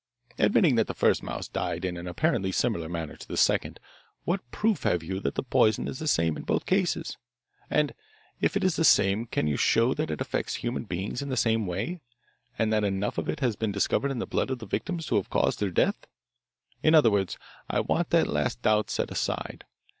Admitting that the first mouse died in an apparently similar manner to the second, what proof have you that the poison is the same in both cases? And if it is the same can you show that it affects human beings in the same way, and that enough of it has been discovered in the blood of the victims to have caused their death? In other words, I want the last doubt set aside.